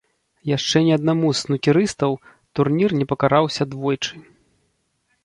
Яшчэ ні аднаму з снукерыстаў турнір не пакараўся двойчы.